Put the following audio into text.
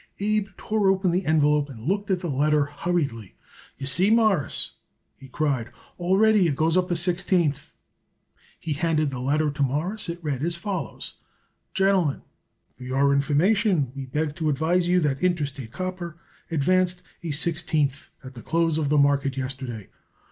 Abe tore open the envelope and looked at the letter hurriedly. "You see, Mawruss," he cried, "already it goes up a sixteenth." He handed the letter to Morris. It read as follows: Gentlemen: For your information we beg to advise you that Interstate Copper advanced a sixteenth at the close of the market yesterday.